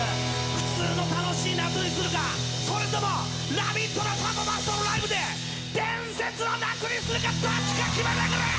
普通の楽しい夏にするかそれとも「ラヴィット！」のサンボマスターのライブで伝説の夏にするかどっちか決めてくれ！